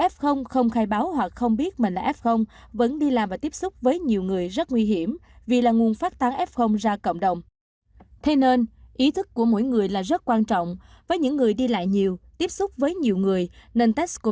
các bạn có thể nhớ like share và đăng ký kênh của chúng mình nhé